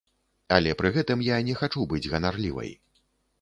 Але пры гэтым я не хачу быць ганарлівай.